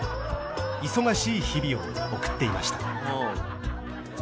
忙しい日々を送っていました